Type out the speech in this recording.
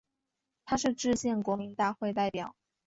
他是制宪国民大会代表。